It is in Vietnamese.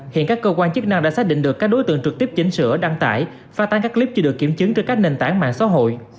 hiện các cơ quan chức năng đã xác định được các đối tượng trực tiếp chỉnh sửa đăng tải phát tán các clip chưa được kiểm chứng trên các nền tảng mạng xã hội